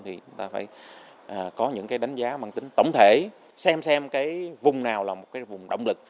thì chúng ta phải có những đánh giá bằng tính tổng thể xem xem vùng nào là vùng động lực